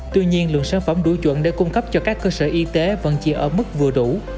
tuy nhiên lượng sản phẩm đủ chuẩn để cung cấp cho các cơ sở y tế vẫn chỉ ở mức vừa đủ